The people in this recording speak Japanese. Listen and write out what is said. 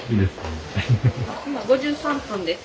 今５３分です。